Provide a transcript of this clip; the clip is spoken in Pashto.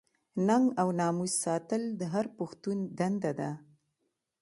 ننګ او ناموس ساتل د هر پښتون دنده ده.